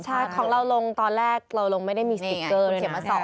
ใช่ของเราลงตอนแรกเราลงไม่ได้มีสติ๊กเกอร์เข็มมา๒